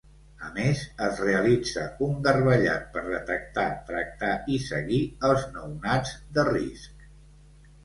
A més, es realitza un garbellat per detectar, tractar i seguir els nounats de risc.